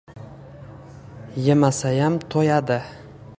Yemasayam to‘yadi.